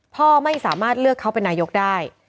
พ่อไม่สามารถเลือกเขาเป็นนายกได้